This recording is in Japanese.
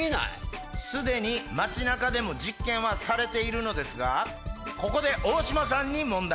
すでに街中でも実験はされているのですがここでオオシマさんに問題！